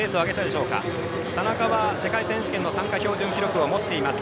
田中は世界選手権の参加標準記録を持っています。